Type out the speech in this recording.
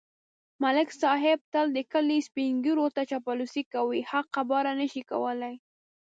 ملک صاحب تل د کلي سپېنږیروته چاپلوسي کوي. حق خبره نشي کولای.